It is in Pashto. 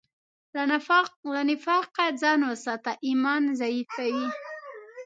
له نفاقه ځان وساته، ایمان ضعیفوي.